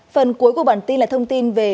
phần cuối của bản tin là thông tin về